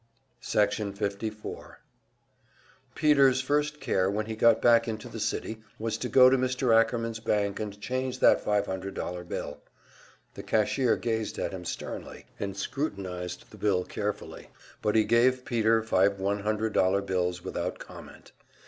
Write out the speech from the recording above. Section 54 Peter's first care when he got back into the city was to go to Mr. Ackerman's bank and change that five hundred dollar bill. The cashier gazed at him sternly, and scrutinized the bill carefully, but he gave Peter five one hundred dollar bills without comment.